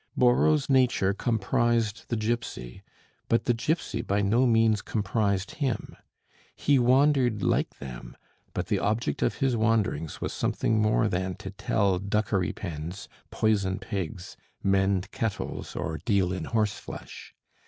Borrow's nature comprised the gipsy, but the gipsy by no means comprised him; he wandered like them, but the object of his wanderings was something more than to tell dukkeripens, poison pigs, mend kettles, or deal in horseflesh.